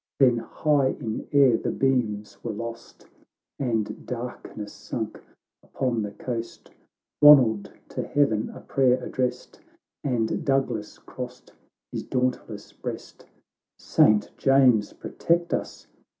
Then high in air the beams were lost, And darkness sunk upon the coast. — lionald to Heaven a prayer addressed, And Douglas crossed his dauntless breast ;" Saint James protect us